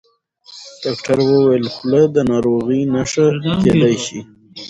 ډاکټر وویل خوله د ناروغۍ نښه کېدای شي.